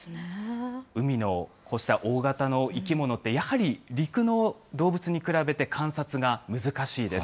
海のこうした大型の生き物って、やはり陸の動物に比べて観察が難しいです。